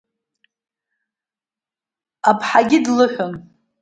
Аԥҳагьы длыҳәон.